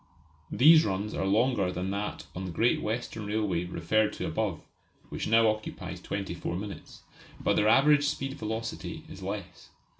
These runs are longer than that on the Great Western Railway referred to above (which now occupies twenty four minutes), but their average velocity is less.